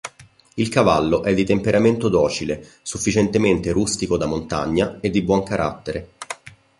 Il cavallo è di temperamento docile, sufficientemente rustico da “montagna” e di buon carattere.